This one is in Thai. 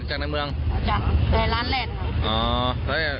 ตอนนั้นเห็นคนเจ็บไหม